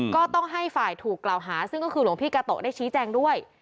ก็ต้องให้ฝ่ายถูกกล่าวหาซึ่งก็คือหลวงพี่กาโตะได้ชี้แจงด้วย